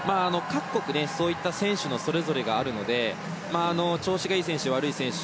各国、そういった選手のそれぞれがあるので調子がいい選手、悪い選手。